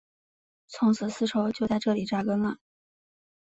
从此丝绸就在这里扎根了。